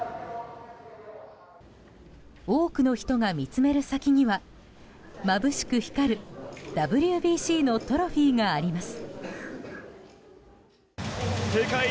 多くの人が見つめる先にはまぶしく光るＷＢＣのトロフィーがあります。